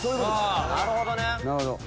なるほどね。